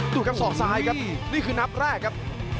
ดูครับศอกซ้ายครับนี่คือนับแรกครับ